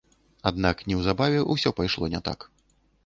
Аднак неўзабаве ўсё пайшло не так.